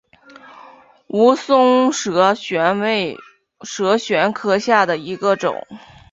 蜈蚣蛇螺为蛇螺科下的一个种。